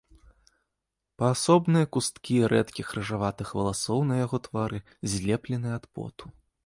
Паасобныя кусткі рэдкіх рыжаватых валасоў на яго твары злеплены ад поту.